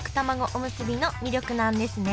おむすびの魅力なんですね